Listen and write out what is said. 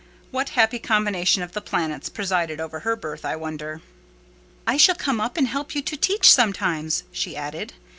What happy combination of the planets presided over her birth, I wonder?) "I shall come up and help you to teach sometimes," she added.